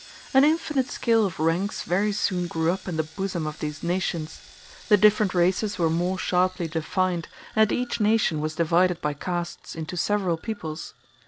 An infinite scale of ranks very soon grew up in the bosom of these nations; the different races were more sharply defined, and each nation was divided by castes into several peoples.